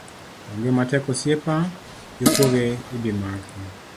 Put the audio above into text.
Onge matek osiepa, jokuoge ibimaki